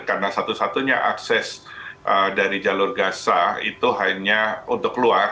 karena satu satunya akses dari jalur gaza itu hanya untuk keluar